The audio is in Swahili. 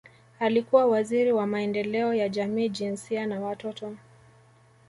Alikuwa Waziri wa Maendeleo ya Jamii Jinsia na Watoto